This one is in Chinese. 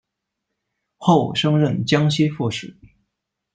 后升任江西副使。